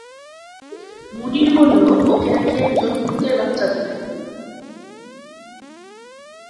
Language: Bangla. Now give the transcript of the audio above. মুনির বললো, ওকে নাকি একজন ভূতের বাচ্চা দেবে।